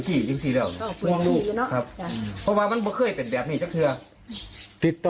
ที่จริงแล้วเพราะว่ามันเคยเป็นแบบนี้เจ้าเธอติดต่อ